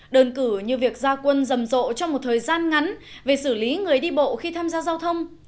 đơn cử như việc ra quân rầm rộ trong một thời gian ngắn về xử lý người đi bộ khi tham gia giao thông